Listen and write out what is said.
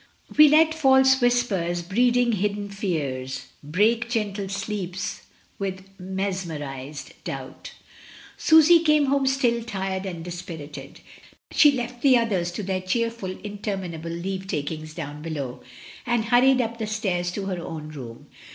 We let false whispers, breeding hidden feares, Break gentle sleepe with misconceived dout. Susy came home still, tired, and dispirited. She left the others to their cheerful interminable leave takings down below, and hurried up the stairs to her own room.